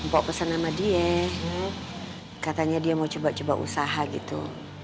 bawa pesan sama dia katanya dia mau coba coba usaha gitu